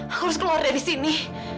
aku harus keluar dari sini